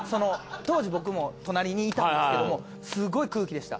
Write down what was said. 当時僕も隣にいたんですけどもすごい空気でした。